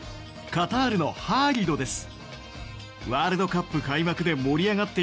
カタールのハーリドです。